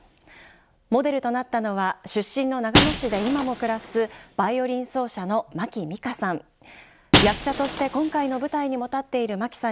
モデルとなったのは出身の長野市で今も暮らすバイオリン奏者の牧美花さん。